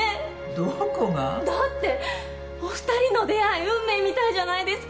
どこが？だってお２人の出会い運命みたいじゃないですか。